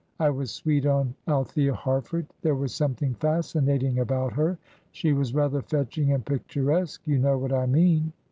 I was sweet on Althea Harford there was something fascinating about her; she was rather fetching and picturesque you know what I mean.